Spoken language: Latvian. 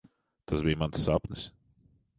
Tas bija mans sapnis.